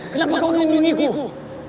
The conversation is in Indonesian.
kenapa kau ingin menghentiku